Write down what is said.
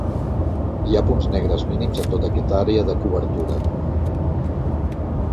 Hi ha punts negres mínims en tota aquesta àrea de cobertura.